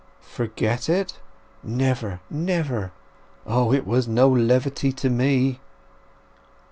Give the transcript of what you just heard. "Forget it? Never, never! O, it was no levity to me!"